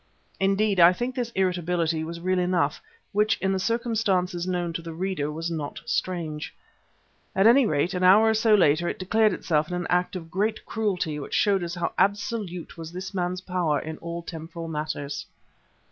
Indeed, I think this irritability was real enough, which, in the circumstances known to the reader, was not strange. At any rate, an hour or so later it declared itself in an act of great cruelty which showed us how absolute was this man's power in all temporal matters.